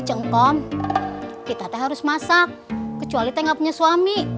cengkom kita harus masak kecuali kita gak punya suami